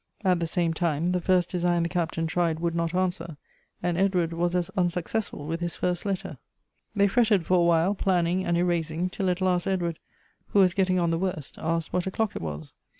At the same time, the first design the Cap tain tried would not answer, and Edward was as unsuc cessful with his first letter. They fretted for a while, planning and erasing, till at last Edward, who was getting on the worst, asked what o'clock it was.